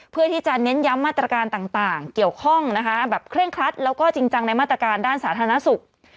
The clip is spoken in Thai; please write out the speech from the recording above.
เพื่อที่จะเน้นย้ำมาตรการต่างเกี่ยวข้องนะคะแบบเคร่งครัดแล้วก็จริงจังในมาตรการด้านสาธารณสุข